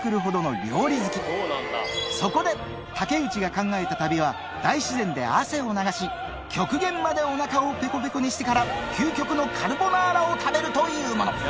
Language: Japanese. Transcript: そこで竹内が考えた旅は大自然で汗を流し極限までお腹をペコペコにしてから究極のカルボナーラを食べるというもの